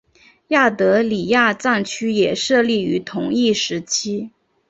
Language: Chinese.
亚德里亚战区也设立于同一时期。